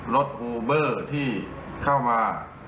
อูเบอร์ที่เข้ามา